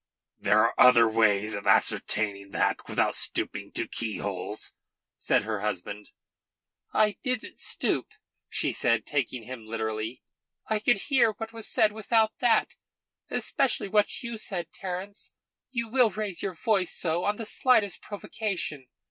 "There are other ways of ascertaining that without stooping to keyholes," said her husband. "I didn't stoop," she said, taking him literally. "I could hear what was said without that especially what you said, Terence. You will raise your voice so on the slightest provocation."